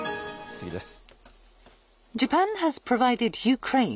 次です。